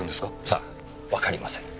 さあわかりません。